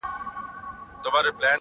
په دوزخي غېږ کي به یوار جانان و نه نیسم.